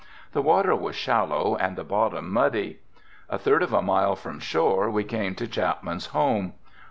The water was shallow and the bottom muddy. A third of a mile from shore we came to Chapman's home.